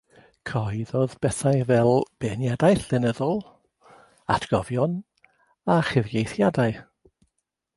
Cyhoeddodd bethau fel beirniadaeth lenyddol, atgofion a chyfieithiadau